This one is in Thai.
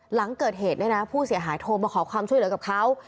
หลังเกิดเหตุเนี่ยนะผู้เสียหายโทรมาขอความช่วยเหลือกับเขา